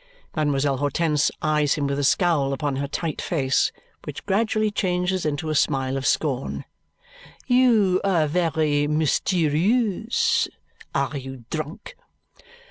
Mademoiselle Hortense eyes him with a scowl upon her tight face, which gradually changes into a smile of scorn, "You are very mysterieuse. Are you drunk?"